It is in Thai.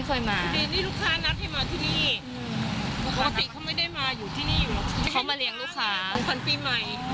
เขาไม่ได้ดื่ม